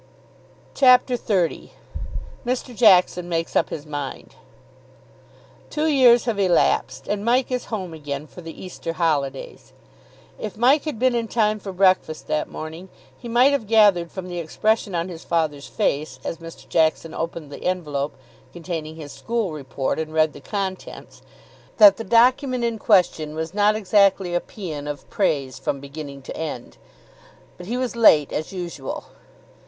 CHAPTER XXX MR. JACKSON MAKES UP HIS MIND Two years have elapsed and Mike is home again for the Easter holidays. If Mike had been in time for breakfast that morning he might have gathered from the expression on his father's face, as Mr. Jackson opened the envelope containing his school report and read the contents, that the document in question was not exactly a paean of praise from beginning to end. But he was late, as usual.